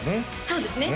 そうですね